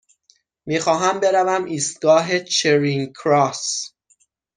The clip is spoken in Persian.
می خواهم بروم ایستگاه چرینگ کراس.